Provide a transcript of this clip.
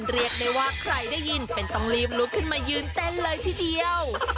เรียกได้ว่าใครได้ยินเป็นต้องรีบลุกขึ้นมายืนเต้นเลยทีเดียว